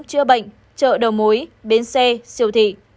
chữa bệnh chợ đầu mối bến xe siêu thị